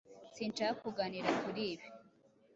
Sinshaka kuganira kuri ibi.